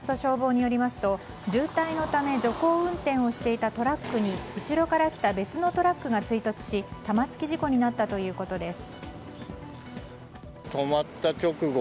渋滞のため徐行運転をしていたトラックに後ろから来た別のトラックが追突し玉突き事故になったということです。